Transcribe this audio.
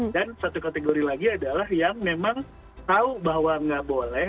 dan satu kategori lagi adalah yang memang tahu bahwa nggak boleh